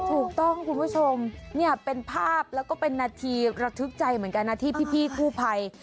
ถูกต้องคุณผู้ชมเนี่ยเป็นภาพแล้วก็เป็นนาทีระทึกใจเหมือนกันนะที่พี่กู้ภัย